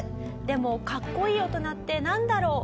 でもかっこいい大人ってなんだろう？